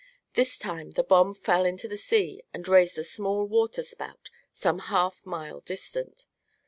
This time the bomb fell into the sea and raised a small water spout, some half mile distant.